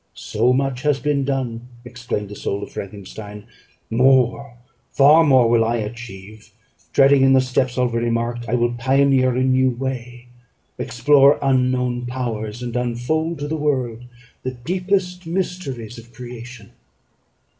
So much has been done, exclaimed the soul of Frankenstein, more, far more, will I achieve: treading in the steps already marked, I will pioneer a new way, explore unknown powers, and unfold to the world the deepest mysteries of creation.